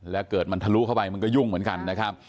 แล้วเกิดมันทะลุเข้าไปมันก็ยุ่งเหมือนกันนะครับ